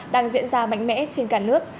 đang diễn ra mạnh mẽ trên cả nước